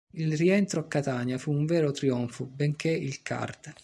Il rientro a Catania fu un vero trionfo, benché il Card.